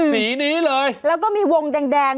สีนี้เลยแล้วก็มีวงแดง